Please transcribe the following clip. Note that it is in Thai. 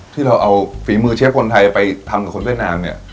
ที่เราเอาฝีมือเชฟคนไทยไปทำกับคนเวียดนามเนี่ย